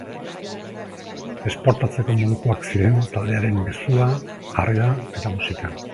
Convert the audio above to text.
Esportatzeko modukoak ziren taldearen mezua, jarrera eta musika.